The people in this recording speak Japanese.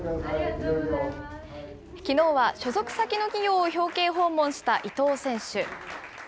きのうは所属先の企業を表敬訪問した伊藤選手。